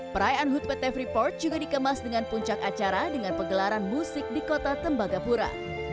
perayaan hut pt freeport juga dikemas dengan puncak acara dengan pegelaran musik di kota tembagapura